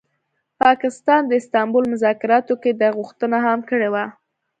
پاکستان د استانبول مذاکراتو کي دا غوښتنه هم کړې وه